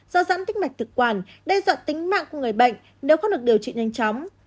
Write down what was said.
do giãn tích mạch thực quản đe dọa tính mạng của người bệnh nếu không được điều trị nhanh chóng